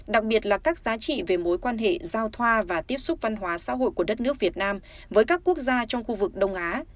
đặc biệt là các giá trị về mối quan hệ giao thoa và tiếp xúc văn hóa xã hội của đất nước việt nam với các quốc gia trong khu vực đông á